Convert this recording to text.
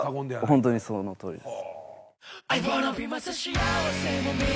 ホントにそのとおりです。